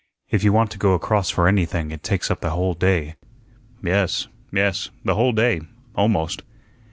If you want to go across for anything it takes up the whole day." "Yes, yes, the whole day almost."